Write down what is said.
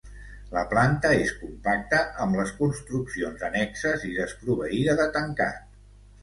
La planta és compacta amb les construccions annexes i desproveïda de tancat.